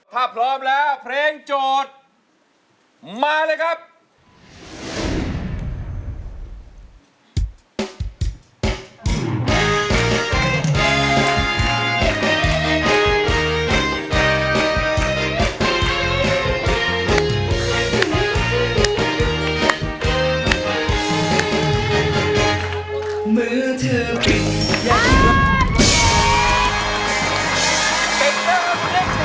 ถ้าพร้อมแล้วเพลงโจทย์มาเลยครับ